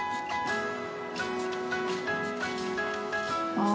ああ。